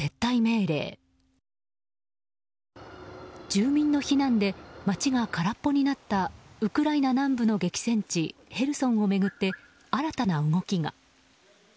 住民の避難で街が空っぽになったウクライナ南部の激戦地ヘルソンを巡って新たな動きが。